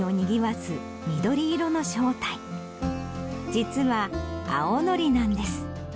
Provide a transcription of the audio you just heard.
実は青のりなんです。